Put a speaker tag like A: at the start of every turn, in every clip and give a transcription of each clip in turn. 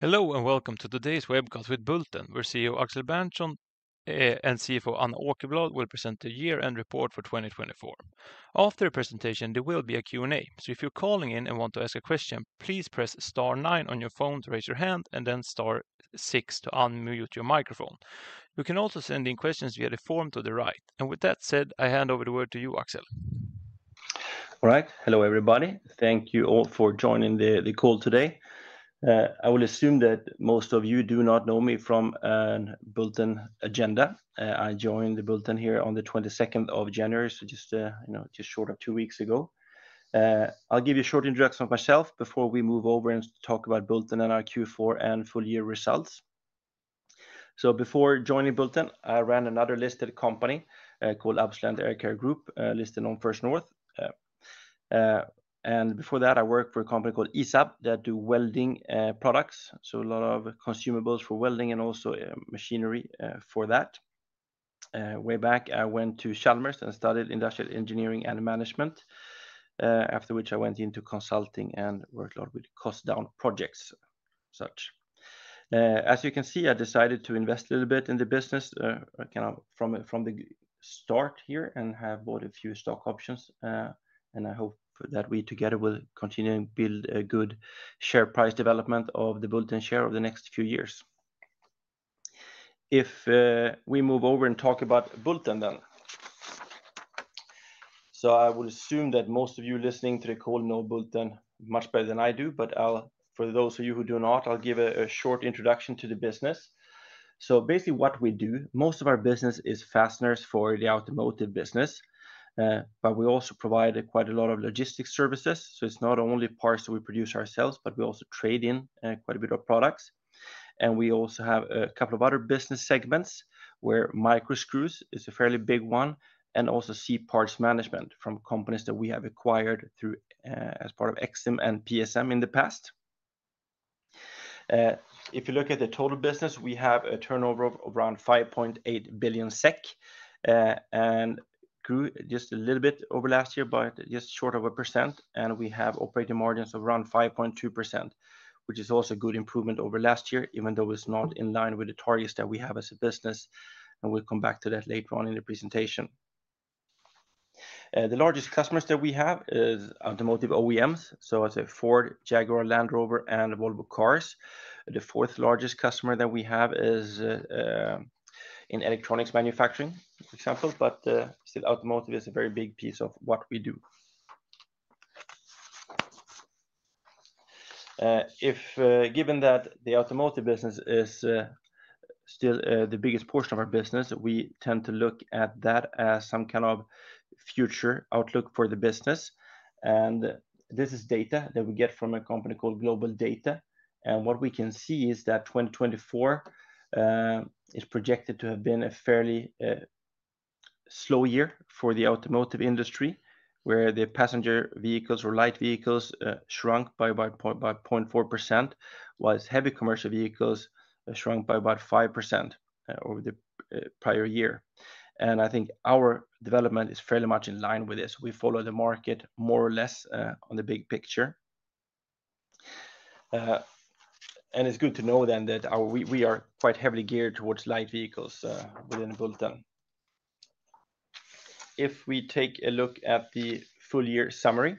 A: Hello and welcome to today's webcast with Bulten, where CEO Axel Berntsson and CFO Anna Åkerblad will present the year-end report for 2024. After the presentation, there will be a Q&A, so if you're calling in and want to ask a question, please press star nine on your phone to raise your hand and then star six to unmute your microphone. You can also send in questions via the form to the right. With that said, I hand over the word to you, Axel.
B: All right, hello everybody. Thank you all for joining the call today. I will assume that most of you do not know me from Bulten. I joined Bulten here on the 22nd of January, so just short of two weeks ago. I'll give you a short introduction of myself before we move over and talk about Bulten and our Q4 and full year results, so before joining Bulten, I ran another listed company called Absolent Air Care Group, listed on First North, and before that, I worked for a company called ESAB that do welding products, so a lot of consumables for welding and also machinery for that. Way back, I went to Chalmers and studied Industrial Engineering and Management, after which I went into consulting and worked a lot with cost-down projects and such. As you can see, I decided to invest a little bit in the business kind of from the start here and have bought a few stock options, and I hope that we together will continue to build a good share price development of the Bulten share over the next few years. If we move over and talk about Bulten, then I will assume that most of you listening to the call know Bulten much better than I do, but for those of you who do not, I'll give a short introduction to the business. Basically what we do, most of our business is fasteners for the automotive business, but we also provide quite a lot of logistics services. It's not only parts that we produce ourselves, but we also trade in quite a bit of products. We also have a couple of other business segments where micro screws is a fairly big one and also C-parts management from companies that we have acquired as part of Exim and PSM in the past. If you look at the total business, we have a turnover of around 5.8 billion SEK and grew just a little bit over last year, but just short of a percent. We have operating margins of around 5.2%, which is also a good improvement over last year, even though it's not in line with the targets that we have as a business. We'll come back to that later on in the presentation. The largest customers that we have are automotive OEMs, so it's a Ford, Jaguar, Land Rover, and Volvo cars. The fourth largest customer that we have is in electronics manufacturing, for example, but still automotive is a very big piece of what we do. Given that the automotive business is still the biggest portion of our business, we tend to look at that as some kind of future outlook for the business. This is data that we get from a company called GlobalData. What we can see is that 2024 is projected to have been a fairly slow year for the automotive industry, where the passenger vehicles or light vehicles shrunk by about 0.4%, while heavy commercial vehicles shrunk by about 5% over the prior year. I think our development is fairly much in line with this. We follow the market more or less on the big picture. And it's good to know then that we are quite heavily geared towards light vehicles within Bulten. If we take a look at the full year summary,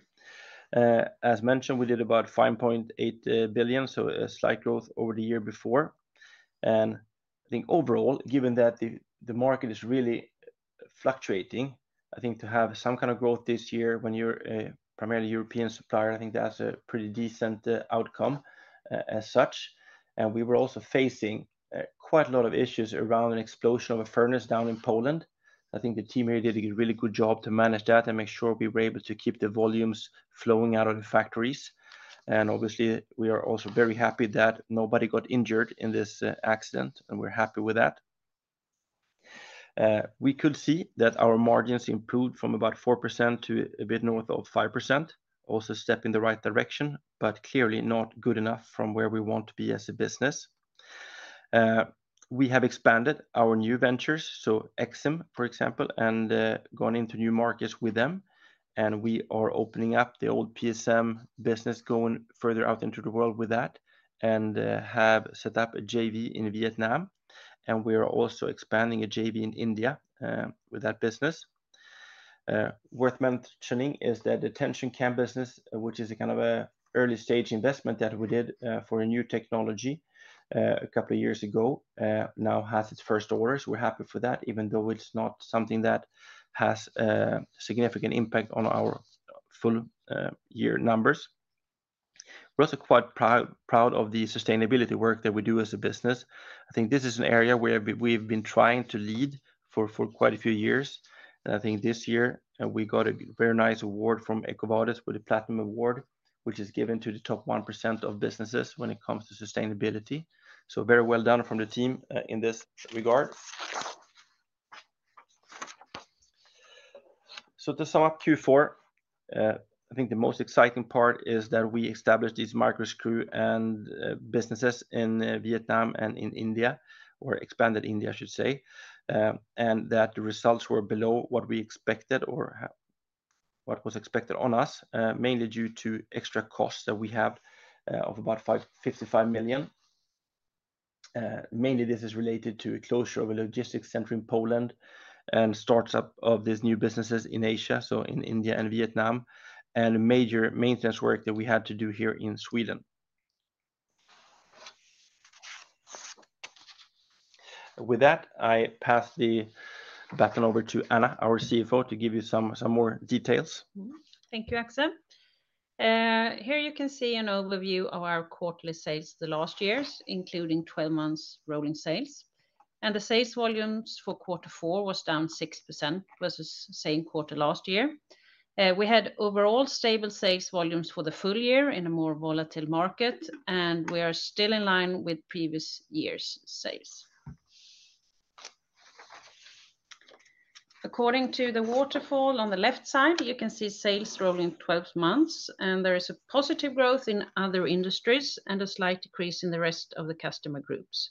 B: as mentioned, we did about 5.8 billion, so a slight growth over the year before. And I think overall, given that the market is really fluctuating, I think to have some kind of growth this year when you're a primarily European supplier, I think that's a pretty decent outcome as such. And we were also facing quite a lot of issues around an explosion of a furnace down in Poland. I think the team here did a really good job to manage that and make sure we were able to keep the volumes flowing out of the factories. And obviously, we are also very happy that nobody got injured in this accident, and we're happy with that. We could see that our margins improved from about 4% to a bit north of 5%, also a step in the right direction, but clearly not good enough from where we want to be as a business. We have expanded our new ventures, so Exim, for example, and gone into new markets with them, and we are opening up the old PSM business, going further out into the world with that, and have set up a JV in Vietnam, and we are also expanding a JV in India with that business. Worth mentioning is that the TensionCam business, which is a kind of an early stage investment that we did for a new technology a couple of years ago, now has its first orders. We're happy for that, even though it's not something that has a significant impact on our full year numbers. We're also quite proud of the sustainability work that we do as a business. I think this is an area where we've been trying to lead for quite a few years, and I think this year we got a very nice award from EcoVadis with the Platinum Award, which is given to the top 1% of businesses when it comes to sustainability, so very well done from the team in this regard, so to sum up Q4, I think the most exciting part is that we established these micro screw businesses in Vietnam and in India, or expanded India, I should say, and that the results were below what we expected or what was expected on us, mainly due to extra costs that we have of about 55 million. Mainly, this is related to the closure of a logistics center in Poland and startup of these new businesses in Asia, so in India and Vietnam, and major maintenance work that we had to do here in Sweden. With that, I pass the baton over to Anna, our CFO, to give you some more details.
C: Thank you, Axel. Here you can see an overview of our quarterly sales the last years, including 12 months rolling sales. The sales volumes for Q4 was down 6% versus the same quarter last year. We had overall stable sales volumes for the full year in a more volatile market, and we are still in line with previous year's sales. According to the waterfall on the left side, you can see sales rolling 12 months, and there is a positive growth in other industries and a slight decrease in the rest of the customer groups.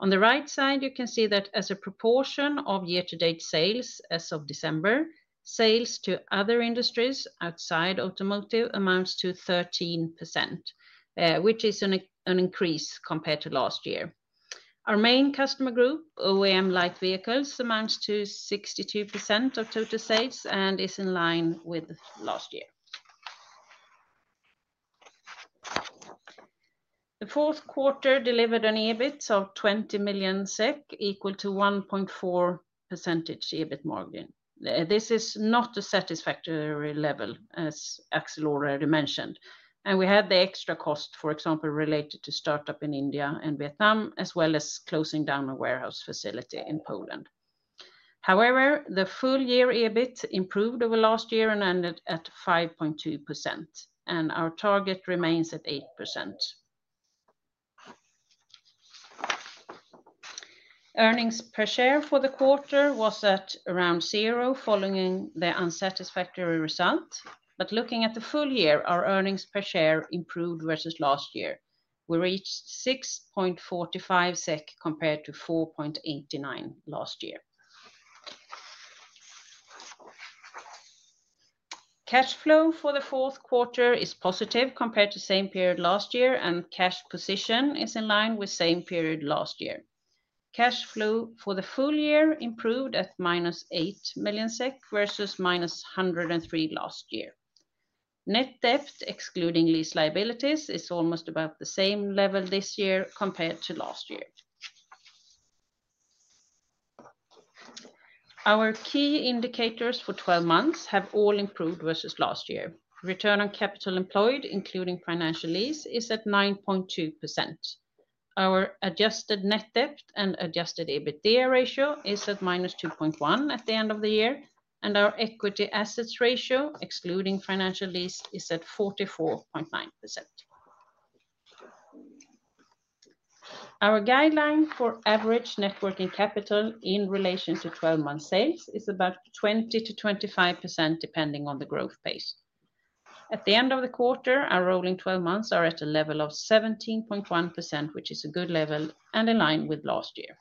C: On the right side, you can see that as a proportion of year-to-date sales as of December, sales to other industries outside automotive amounts to 13%, which is an increase compared to last year. Our main customer group, OEM light vehicles, amounts to 62% of total sales and is in line with last year. The Q4 delivered an EBIT of 20 million SEK, equal to 1.4% EBIT margin. This is not a satisfactory level, as Axel already mentioned, and we had the extra cost, for example, related to startup in India and Vietnam, as well as closing down a warehouse facility in Poland. However, the full year EBIT improved over last year and ended at 5.2%, and our target remains at 8%. Earnings per share for the quarter was at around zero following the unsatisfactory result, but looking at the full year, our earnings per share improved versus last year. We reached 6.45 SEK compared to 4.89 last year. Cash flow for the Q4 is positive compared to the same period last year, and cash position is in line with the same period last year. Cash flow for the full year improved at minus 8 million SEK versus minus 103 last year. Net debt, excluding lease liabilities, is almost about the same level this year compared to last year. Our key indicators for 12 months have all improved versus last year. Return on capital employed, including financial lease, is at 9.2%. Our adjusted net debt and adjusted EBITDA ratio is at minus 2.1 at the end of the year, and our equity assets ratio, excluding financial lease, is at 44.9%. Our guideline for average working capital in relation to 12-month sales is about 20%-25%, depending on the growth pace. At the end of the quarter, our rolling 12 months are at a level of 17.1%, which is a good level and in line with last year.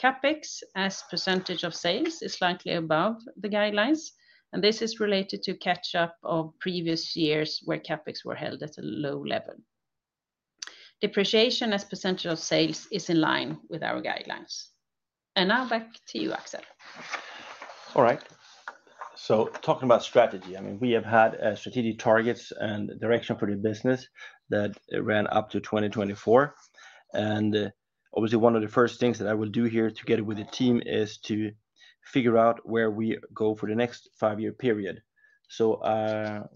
C: CapEx as percentage of sales is slightly above the guidelines, and this is related to catch-up of previous years where CapEx were held at a low level. Depreciation as percentage of sales is in line with our guidelines. And now back to you, Axel.
B: All right, so talking about strategy, I mean, we have had strategic targets and direction for the business that ran up to 2024, and obviously, one of the first things that I will do here together with the team is to figure out where we go for the next five-year period, so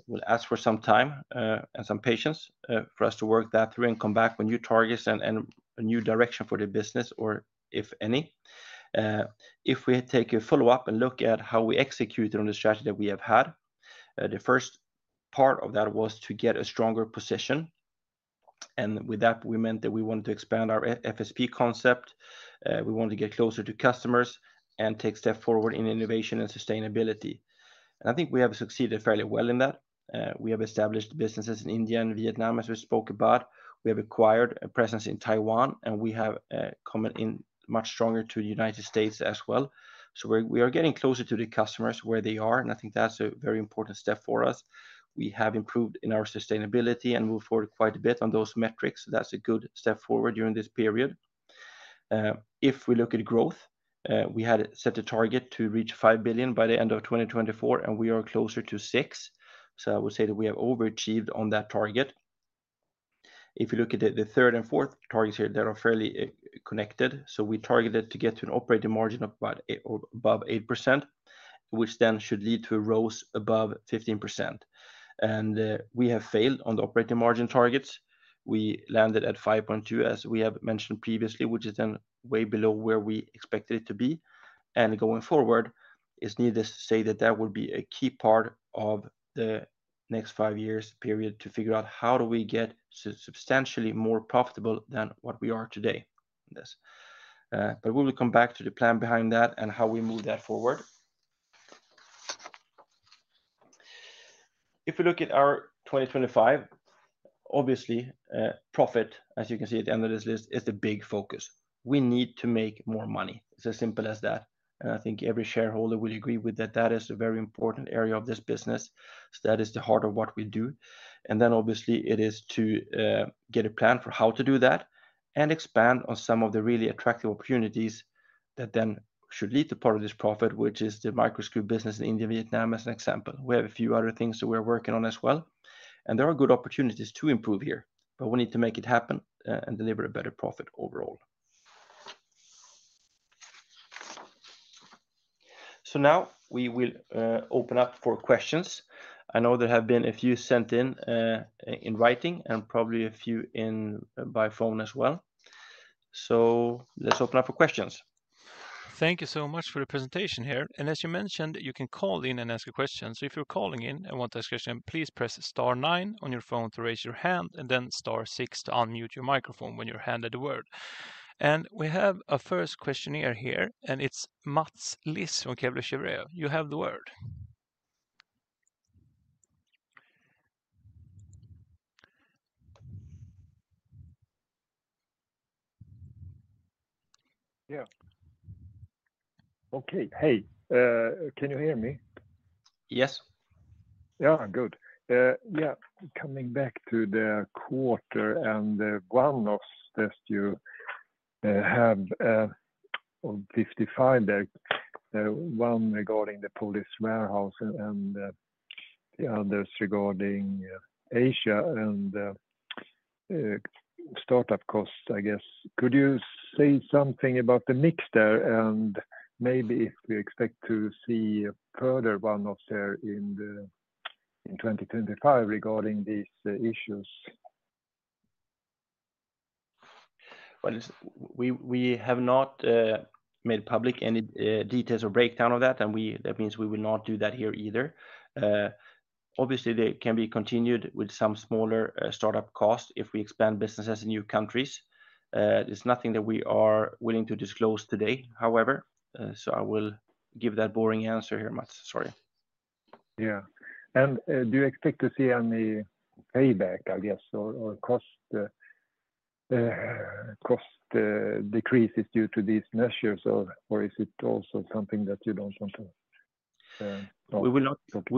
B: we'll ask for some time and some patience for us to work that through and come back with new targets and a new direction for the business, or if any. If we take a follow-up and look at how we executed on the strategy that we have had, the first part of that was to get a stronger position, and with that, we meant that we wanted to expand our FSP concept. We wanted to get closer to customers and take a step forward in innovation and sustainability, and I think we have succeeded fairly well in that. We have established businesses in India and Vietnam, as we spoke about. We have acquired a presence in Taiwan, and we have come in much stronger to the United States as well. So we are getting closer to the customers where they are, and I think that's a very important step for us. We have improved in our sustainability and moved forward quite a bit on those metrics. That's a good step forward during this period. If we look at growth, we had set a target to reach 5 billion by the end of 2024, and we are closer to 6 billion. So I would say that we have overachieved on that target. If you look at the third and fourth targets here, they are fairly connected. So we targeted to get to an operating margin of about above 8%, which then should lead to a ROCE above 15%. And we have failed on the operating margin targets. We landed at 5.2%, as we have mentioned previously, which is then way below where we expected it to be. And going forward, it's needless to say that that will be a key part of the next five-year period to figure out how do we get substantially more profitable than what we are today in this. But we will come back to the plan behind that and how we move that forward. If we look at our 2025, obviously, profit, as you can see at the end of this list, is the big focus. We need to make more money. It's as simple as that. And I think every shareholder will agree with that that is a very important area of this business. That is the heart of what we do. And then obviously, it is to get a plan for how to do that and expand on some of the really attractive opportunities that then should lead to part of this profit, which is the micro screw business in India, Vietnam, as an example. We have a few other things that we're working on as well. And there are good opportunities to improve here, but we need to make it happen and deliver a better profit overall. So now we will open up for questions. I know there have been a few sent in in writing and probably a few by phone as well. So let's open up for questions.
A: Thank you so much for the presentation here. As you mentioned, you can call in and ask a question. If you're calling in and want to ask a question, please press star nine on your phone to raise your hand, and then star six to unmute your microphone when you're handed the word. We have a first questioner here, and it's Mats Liss from Kepler Cheuvreux. You have the word.
D: Yeah. Okay. Hey, can you hear me?
B: Yes.
D: Yeah, good. Yeah, coming back to the quarter and the one-offs you have of 55, one regarding the Polish warehouse and the others regarding Asia and startup costs, I guess. Could you say something about the mix there and maybe if we expect to see further one-offs there in 2025 regarding these issues?
B: We have not made public any details or breakdown of that, and that means we will not do that here either. Obviously, they can be continued with some smaller startup costs if we expand businesses in new countries. There's nothing that we are willing to disclose today, however. So I will give that boring answer here, Mats. Sorry.
D: Yeah. And do you expect to see any payback, I guess, or cost decreases due to these measures, or is it also something that you don't want to?
B: We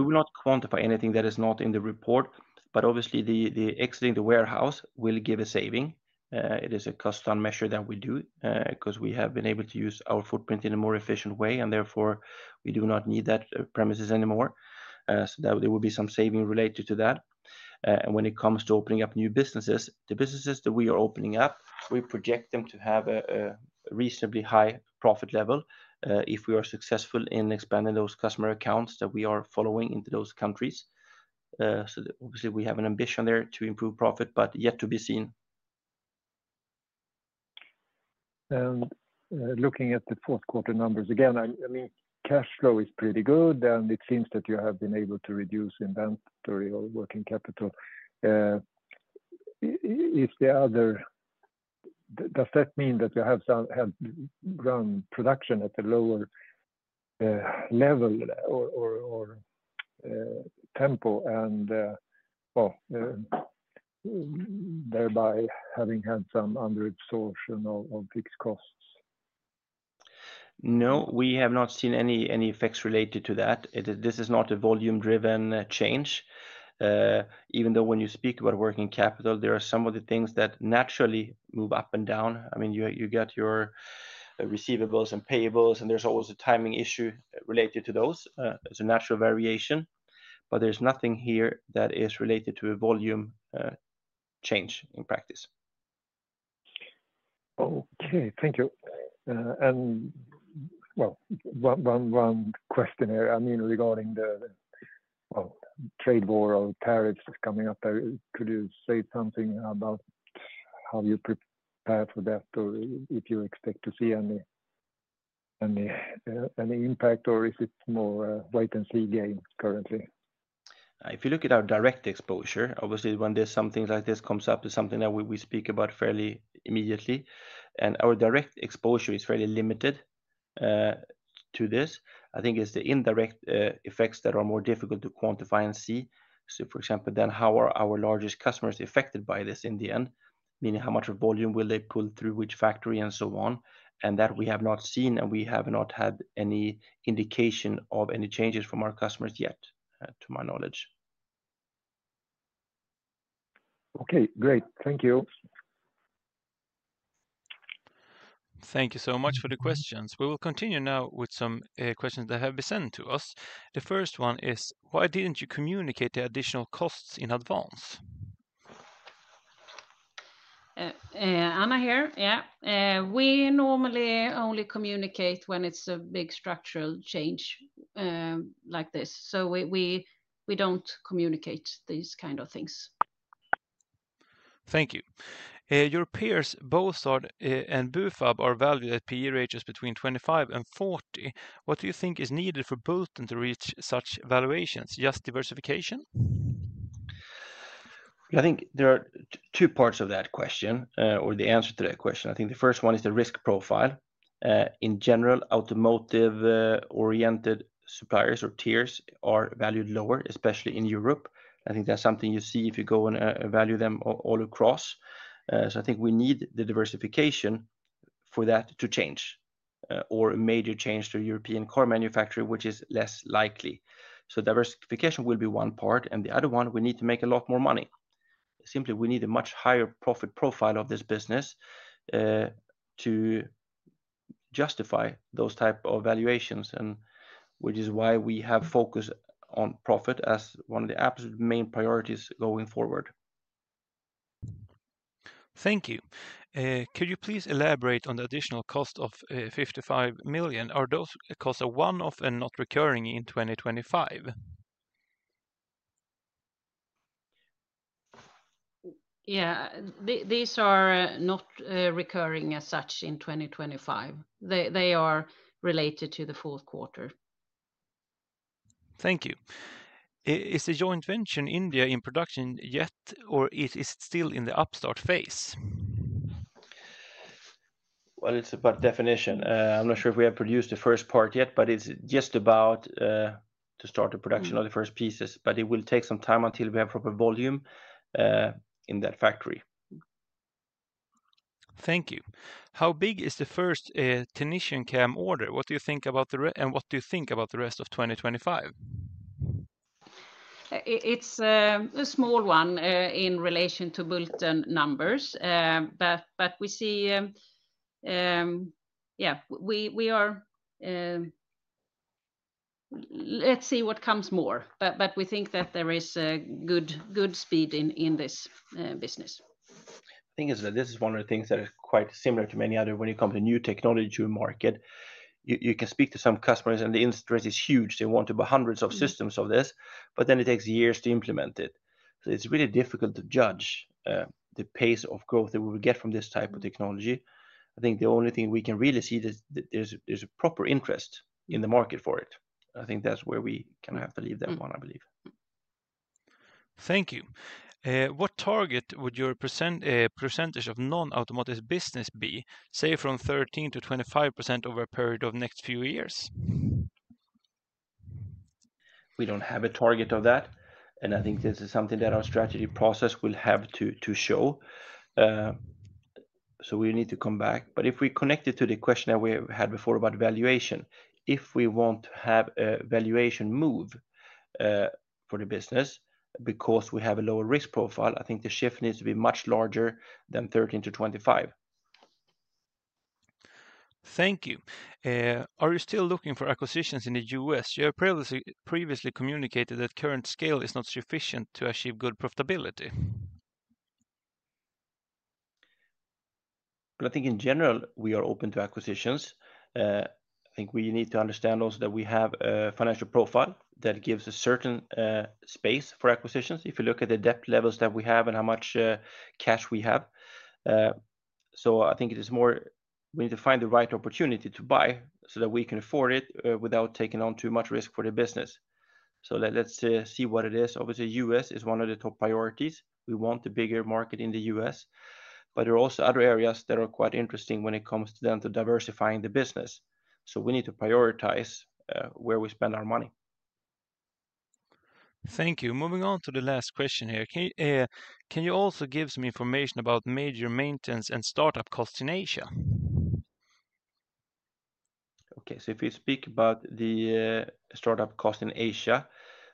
B: will not quantify anything that is not in the report, but obviously, the exiting the warehouse will give a saving. It is a custom measure that we do because we have been able to use our footprint in a more efficient way, and therefore, we do not need that premises anymore. So there will be some saving related to that. And when it comes to opening up new businesses, the businesses that we are opening up, we project them to have a reasonably high profit level if we are successful in expanding those customer accounts that we are following into those countries. So obviously, we have an ambition there to improve profit, but yet to be seen.
D: Looking at the Q4 numbers again, I mean, cash flow is pretty good, and it seems that you have been able to reduce inventory or working capital. Does that mean that you have run production at a lower level or tempo and thereby having had some underabsorption of fixed costs?
B: No, we have not seen any effects related to that. This is not a volume-driven change. Even though when you speak about working capital, there are some of the things that naturally move up and down. I mean, you get your receivables and payables, and there's always a timing issue related to those. It's a natural variation. But there's nothing here that is related to a volume change in practice.
D: Okay. Thank you. And well, one question here. I mean, regarding the trade war or tariffs coming up there, could you say something about how you prepare for that or if you expect to see any impact, or is it more wait-and-see game currently?
B: If you look at our direct exposure, obviously, when there's something like this comes up, it's something that we speak about fairly immediately. And our direct exposure is fairly limited to this. I think it's the indirect effects that are more difficult to quantify and see. So for example, then how are our largest customers affected by this in the end? Meaning how much volume will they pull through which factory and so on? And that we have not seen, and we have not had any indication of any changes from our customers yet, to my knowledge.
D: Okay. Great. Thank you.
A: Thank you so much for the questions. We will continue now with some questions that have been sent to us. The first one is, why didn't you communicate the additional costs in advance?
C: Anna here, yeah. We normally only communicate when it's a big structural change like this. So we don't communicate these kinds of things.
A: Thank you. Your peers, Bossard and Bufab, are valued at PE ratios between 25 and 40. What do you think is needed for Bulten to reach such valuations? Just diversification?
B: I think there are two parts of that question or the answer to that question. I think the first one is the risk profile. In general, automotive-oriented suppliers or tiers are valued lower, especially in Europe. I think that's something you see if you go and value them all across. So I think we need the diversification for that to change or a major change to a European car manufacturer, which is less likely. So diversification will be one part. And the other one, we need to make a lot more money. Simply, we need a much higher profit profile of this business to justify those types of valuations, which is why we have focused on profit as one of the absolute main priorities going forward.
A: Thank you. Could you please elaborate on the additional cost of 55 million? Are those costs a one-off and not recurring in 2025?
C: Yeah. These are not recurring as such in 2025. They are related to the Q4.
A: Thank you. Is the joint venture in India in production yet, or is it still in the startup phase?
B: It's about definition. I'm not sure if we have produced the first part yet, but it's just about to start the production of the first pieces. It will take some time until we have proper volume in that factory.
A: Thank you. How big is the first TensionCam order? What do you think about the rest of 2025?
C: It's a small one in relation to Bulten numbers. But we see, yeah, we are, let's see what comes more. But we think that there is good speed in this business.
B: I think this is one of the things that is quite similar to many other when it comes to new technology to a market. You can speak to some customers, and the interest is huge. They want to buy hundreds of systems of this, but then it takes years to implement it. So it's really difficult to judge the pace of growth that we will get from this type of technology. I think the only thing we can really see is that there's a proper interest in the market for it. I think that's where we kind of have to leave that one, I believe.
A: Thank you. What target would your percentage of non-automotive business be, say, from 13%-25% over a period of next few years?
B: We don't have a target of that. And I think this is something that our strategy process will have to show. So we need to come back. But if we connect it to the question that we had before about valuation, if we want to have a valuation move for the business because we have a lower risk profile, I think the shift needs to be much larger than 13 to 25.
A: Thank you. Are you still looking for acquisitions in the U.S.? You have previously communicated that current scale is not sufficient to achieve good profitability.
B: I think in general, we are open to acquisitions. I think we need to understand also that we have a financial profile that gives a certain space for acquisitions if you look at the debt levels that we have and how much cash we have. So I think it is more we need to find the right opportunity to buy so that we can afford it without taking on too much risk for the business. So let's see what it is. Obviously, US is one of the top priorities. We want a bigger market in the US. But there are also other areas that are quite interesting when it comes to diversifying the business. So we need to prioritize where we spend our money.
A: Thank you. Moving on to the last question here. Can you also give some information about major maintenance and startup costs in Asia?
B: Okay. So if you speak about the startup cost in Asia,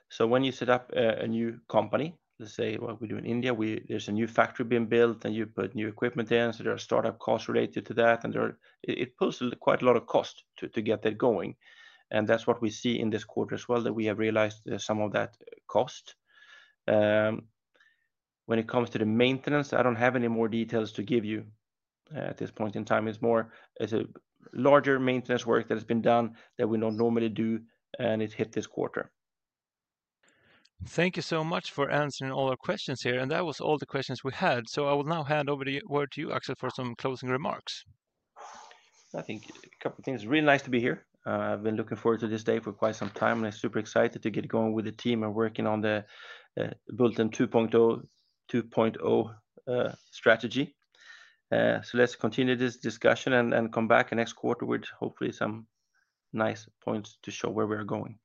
B: so when you set up a new company, let's say what we do in India, there's a new factory being built and you put new equipment in. So there are startup costs related to that. And it pulls quite a lot of cost to get that going. And that's what we see in this quarter as well, that we have realized some of that cost. When it comes to the maintenance, I don't have any more details to give you at this point in time. It's a larger maintenance work that has been done that we don't normally do, and it hit this quarter.
A: Thank you so much for answering all our questions here, and that was all the questions we had, so I will now hand over the word to you, Axel, for some closing remarks.
B: I think a couple of things. Really nice to be here. I've been looking forward to this day for quite some time, and I'm super excited to get going with the team and working on the Bulten 2.0 strategy, so let's continue this discussion and come back next quarter with hopefully some nice points to show where we are going.